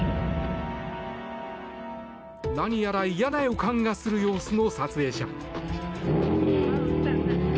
何やら嫌な予感がする様子の撮影者。